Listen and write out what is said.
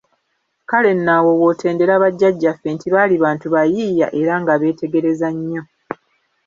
Kale nno awo w'otendera Bajjaajjaafe nti baali bantu bayiiya era nga beetegereza nnyo.